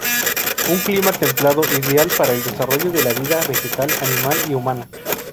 Un clima templado ideal para el desarrollo de la vida vegetal, animal y humana.